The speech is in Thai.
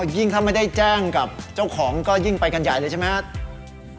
ยิ่งถ้าไม่ได้แจ้งกับเจ้าของก็ยิ่งไปกันใหญ่เลยใช่ไหมครับ